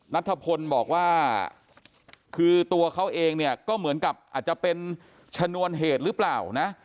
นัทธพลบอกว่าคือตัวเขาเองเนี่ยก็เหมือนกับอาจจะเป็นชนวนเหตุหรือเปล่านะ